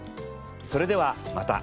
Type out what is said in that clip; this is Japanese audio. それではまた。